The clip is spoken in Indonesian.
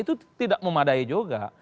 itu tidak memadai juga